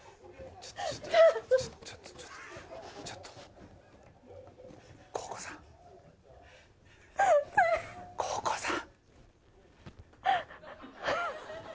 ちょっとちょっとちょっと洸子さん洸子さん！